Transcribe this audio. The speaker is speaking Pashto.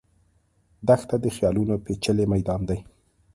دښته د خیالونو پېچلی میدان دی.